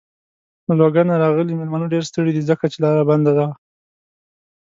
له لوګر نه راغلی مېلمانه ډېر ستړی دی. ځکه چې لاره بنده وه.